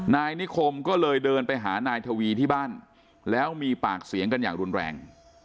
นายนิคมก็เลยเดินไปหานายทวีที่บ้านแล้วมีปากเสียงกันอย่างรุนแรง